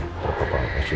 ntar papa kasih